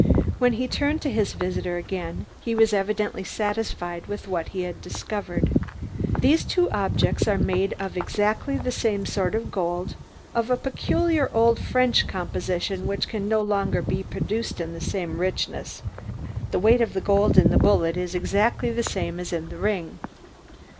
When he turned to his visitor again, he was evidently satisfied with what he had discovered. "These two objects are made of exactly the same sort of gold, of a peculiar old French composition, which can no longer be produced in the same richness. The weight of the gold in the bullet is exactly the same as in the ring."